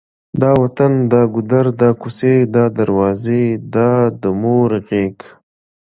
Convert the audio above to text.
دا وطن، دا کور، دا کوڅې، دا دروازې، دا د مور غېږ،